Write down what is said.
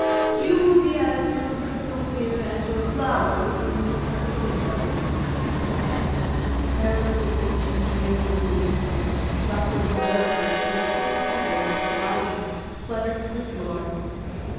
You will be as comfortable here as your flowers in this sunny window," he said, carelessly pinching geranium leaves, and ruffling the roses till the pink petals of the largest fluttered to the floor.